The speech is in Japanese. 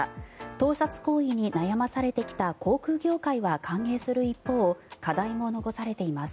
盗撮行為に悩まされてきた航空業界は歓迎する一方課題も残されています。